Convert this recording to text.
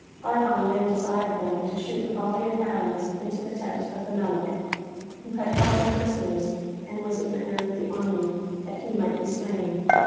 Argon then desired them to shoot a volley of arrows into the tent of the Melic who had held them prisoners and who was in command of the army, that he might be slain.